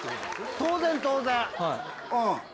当然当然。